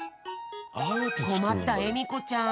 こまったえみこちゃん。